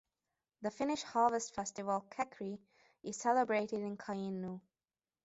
The Finnish harvest festival Kekri is celebrated in Kainuu.